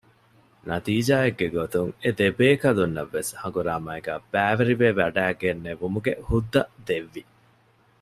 ނަތީޖާއެއްގެ ގޮތުން އެދެބޭކަލުންނަށްވެސް ހަނގުރާމައިގައި ބައިވެރިވެވަޑައިގެންނެވުމުގެ ހުއްދަ ދެއްވި